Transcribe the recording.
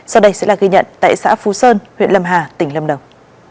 sau đây sẽ là ghi nhận tại xã phú sơn huyện lâm hà tỉnh lâm đồng